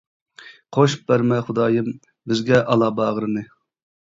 قوشۇپ بەرمە خۇدايىم، بىزگە ئالا باغىرنى.